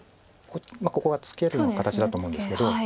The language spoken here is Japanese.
ここがツケるのが形だと思うんですけど。